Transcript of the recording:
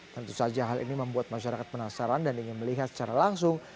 tentu saja hal ini membuat masyarakat penasaran dan ingin melihat secara langsung